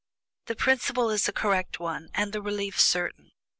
The principle is a correct one, and the relief certain.